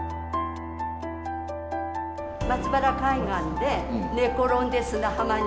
松原海岸で寝転んで砂浜に。